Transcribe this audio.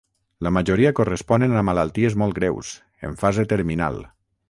La majoria corresponen a malalties molt greus, en fase terminal.